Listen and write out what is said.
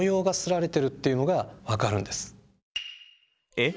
えっ？